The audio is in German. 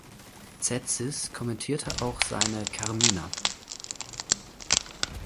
Tzetzes kommentierte auch seine "Carmina".